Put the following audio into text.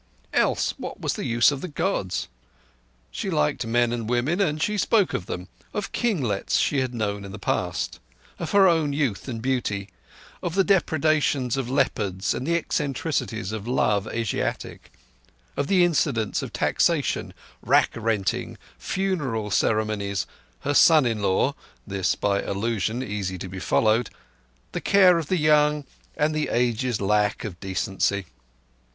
Else what was the use of the Gods? She liked men and women, and she spoke of them—of kinglets she had known in the past; of her own youth and beauty; of the depredations of leopards and the eccentricities of love Asiatic; of the incidence of taxation, rack renting, funeral ceremonies, her son in law (this by allusion, easy to be followed), the care of the young, and the age's lack of decency.